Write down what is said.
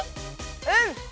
うん！